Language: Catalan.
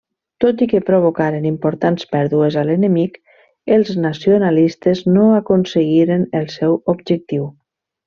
Tot i que provocaren importants pèrdues a l'enemic, els nacionalistes no aconseguiren el seu objectiu.